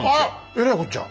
えらいこっちゃ！